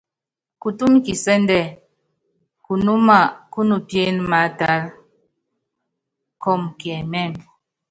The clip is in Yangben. Kutúmu kisɛ́ndɛ kunúma kúnupíené maátálá, kɔɔmɔ kiɛmɛ́mɛ.